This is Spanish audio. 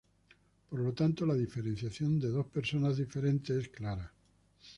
Por lo tanto la diferenciación de dos personas diferentes es clara.